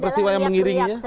pesiwa pesiwa yang mengiringnya